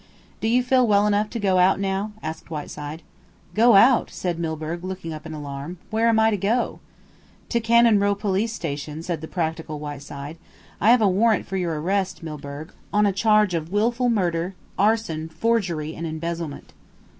"Do you feel well enough to go out now?" asked Whiteside. "Go out?" said Milburgh, looking up in alarm. "Where am I to go?" "To Cannon Row Police Station," said the practical Whiteside. "I have a warrant for your arrest, Milburgh, on a charge of wilful murder, arson, forgery, and embezzlement."